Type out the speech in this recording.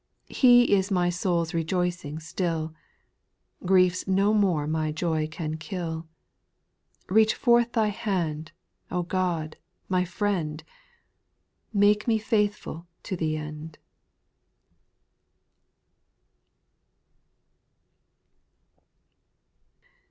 He is my soul's rejoicing still. Griefs no more my joy can kill. Reach forth Thy hand, O God, my Friend I Make me faithful to the end.